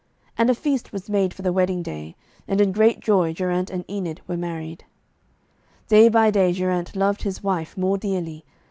And a feast was made for the wedding day, and in great joy Geraint and Enid were married. Day by day Geraint loved his wife more dearly.